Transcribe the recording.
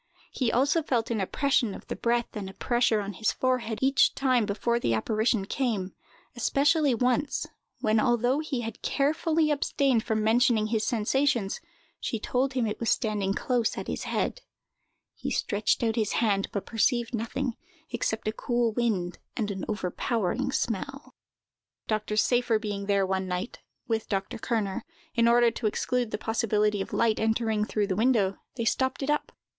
He also felt an oppression of the breath and a pressure on his forehead each time before the apparition came, especially once, when, although he had carefully abstained from mentioning his sensations, she told him it was standing close at his head. He stretched out his hand, but perceived nothing, except a cool wind and an overpowering smell. Dr. Seyffer being there one night, with Dr. Kerner, in order to exclude the possibility of light entering through the window, they stopped it up.